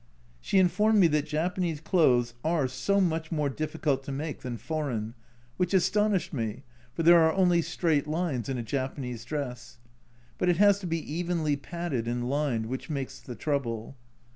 She informed me that Japanese clothes are so much more difficult to make than foreign, A Journal from Japan 91 which astonished me, for there are only straight lines in a Japanese dress. But it has to be evenly padded and lined, which makes the trouble.